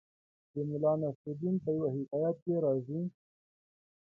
د ملا نصرالدین په یوه حکایت کې راځي